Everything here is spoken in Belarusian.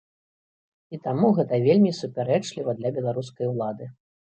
І таму гэта вельмі супярэчліва для беларускай улады.